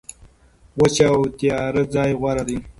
وچه او تیاره ځای غوره دی.